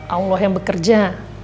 allah yang bekerja